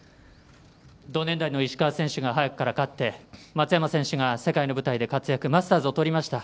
同年代の石川選手が早くから勝って松山選手が世界の舞台で活躍マスターズをとりました。